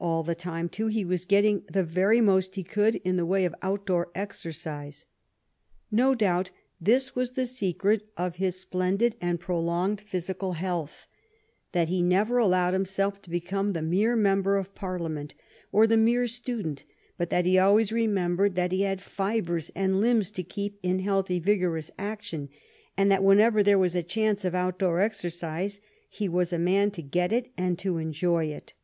All the time, too, he was getting the very most he could in the way of outdoor exercise. No doubt this was the secret I02 THE STORY OF GLADSTONE'S LIFE of his splendid and prolonged physical health — that he never allowed himself to become the mere member of Parliament, or the mere student, but that he always remembered that he had fibres and limbs to keep in healthy, vigorous action, and that whenever there was a chance of outdoor exercise he was a man to get it and to enjoy it.